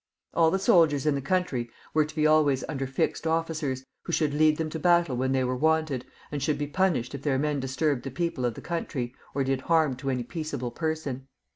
All the soldiers in the country were to be always under fixed officers, who should lead them to battle when they were wanted, and should be punished if their men disturbed the people of the country, or did harm to any peaceable person.